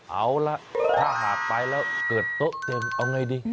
เอาล่ะถ้าหากไปแล้วเกิดโต๊ะเต็มเอาไงดี